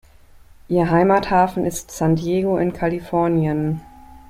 Ihr Heimathafen ist San Diego in Kalifornien.